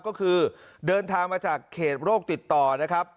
ก็คือเดินทางมาจากเขตโรคติดต่อนะครับ